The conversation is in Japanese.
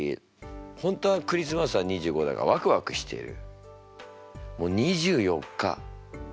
本当はクリスマスは２５だがワクワクしている。